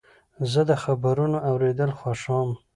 زه د خبرونو اورېدل خوښوم.